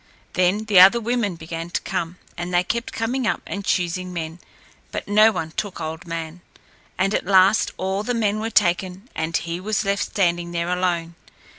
Then the other women began to come, and they kept coming up and choosing men, but no one took Old Man, and at last all the men were taken and he was left standing there alone.